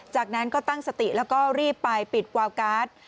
จากนั้นก็ตั้งสติแล้วก็รีบไปปิดวาวการ์ด